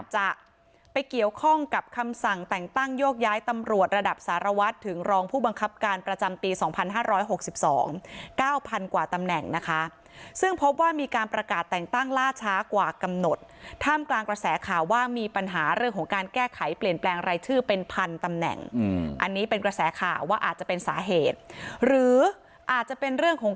จะไปเกี่ยวข้องกับคำสั่งแต่งตั้งโยกย้ายตำรวจระดับสารวัตรถึงรองผู้บังคับการประจำปี๒๕๖๒๙๐๐กว่าตำแหน่งนะคะซึ่งพบว่ามีการประกาศแต่งตั้งล่าช้ากว่ากำหนดท่ามกลางกระแสข่าวว่ามีปัญหาเรื่องของการแก้ไขเปลี่ยนแปลงรายชื่อเป็นพันตำแหน่งอันนี้เป็นกระแสข่าวว่าอาจจะเป็นสาเหตุหรืออาจจะเป็นเรื่องของ